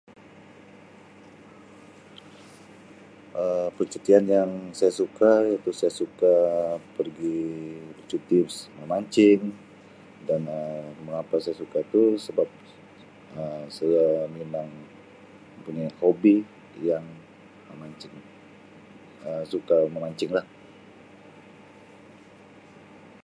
Um Percutian yang saya suka iaitu saya suka pergi bercuti memancing dan Um mengapa saya suka tu sebab Um saya memang mempunyai hobi yang memancing Um suka memancing lah.